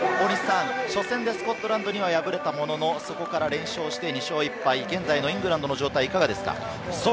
初戦でスコットランドに敗れましたが、そこから連勝して２勝１敗、現在のイングランドの状態はいかがですか？